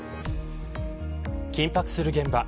緊迫する現場。